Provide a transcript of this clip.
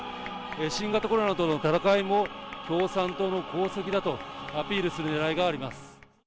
新型コロナとの闘いも、共産党の功績だとアピールするねらいがあります。